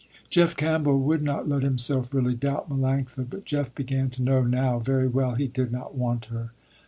Jeff Campbell would not let himself really doubt Melanctha, but Jeff began to know now very well, he did not want her.